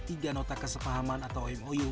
tiga nota kesepahaman atau mou